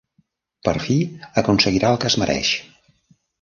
Per fi, aconseguirà el que es mereix.